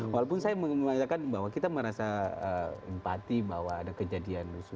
walaupun saya mengatakan bahwa kita merasa empati bahwa ada kejadian lusu